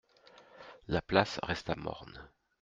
La place resta morne.